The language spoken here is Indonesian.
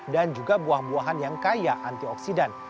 dan juga buah buahan yang kaya antioksidan